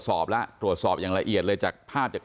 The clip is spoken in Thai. โอ้โหเรียกว่า